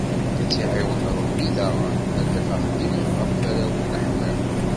Ad tt-iɛiwen Rebbi daɣen ad taf axeddim ɣer warraw n laḥlal.